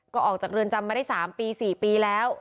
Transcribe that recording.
ก็ออกจากเรือนจำมาได้๓ปี๔ปีแล้ว